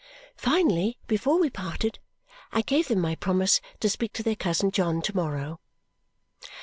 Finally, before we parted, I gave them my promise to speak to their cousin John to morrow.